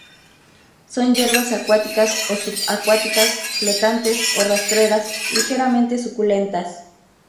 Son hierbas acuáticas o subacuáticas, flotantes o rastreras, ligeramente suculentas.